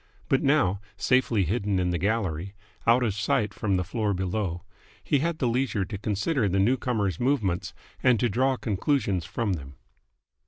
But now, safely hidden in the gallery, out of sight from the floor below, he had the leisure to consider the newcomer's movements and to draw conclusions from them.